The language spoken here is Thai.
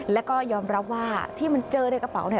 แล้วก็ยอมรับว่าที่มันเจอในกระเป๋าเนี่ย